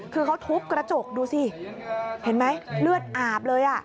คือเขาทุบกระจกดูสิเห็นไหมเลือดอาบเลย